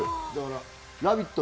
「ラヴィット！」